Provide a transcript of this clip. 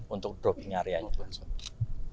untuk dropping area itu langsung